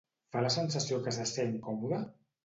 Fa la sensació que se sent còmode?